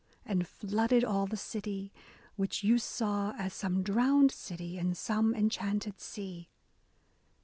And flooded all the city, which you saw As some drowned city in some enchanted sea.